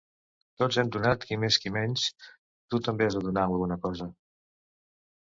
Tots hem donat qui més qui menys: tu també has de donar alguna cosa.